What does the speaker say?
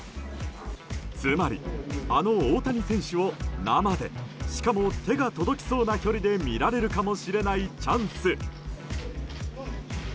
つまり、あの大谷選手を生でしかも手が届きそうな距離で見られるかもしれないチャンス。